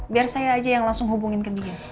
biar saya aja yang langsung hubungin ke dia